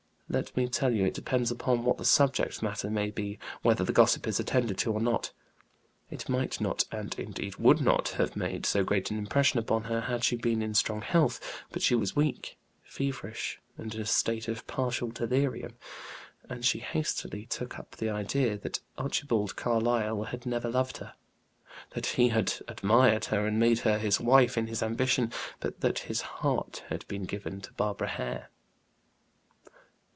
Let me tell you it depends upon what the subject may be, whether the gossip is attended to or not. It might not, and indeed would not, have made so great an impression upon her had she been in strong health, but she was weak, feverish, and in a state of partial delirium; and she hastily took up the idea that Archibald Carlyle had never loved her, that he had admired her and made her his wife in his ambition, but that his heart had been given to Barbara Hare.